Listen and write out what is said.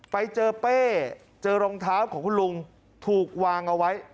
ไปเจอเป้เจอรองเท้าของคุณลุงถูกวางเอาไว้